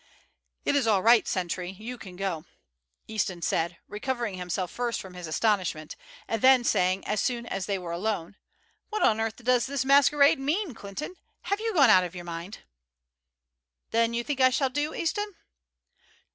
"It is all right, sentry, you can go," Easton said, recovering himself first from his astonishment; and then saying as soon as they were alone: "What on earth does this masquerade mean, Clinton? have you gone out of your mind?" "Then you think I shall do, Easton?"